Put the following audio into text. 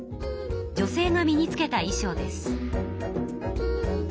女性が身につけた衣しょうです。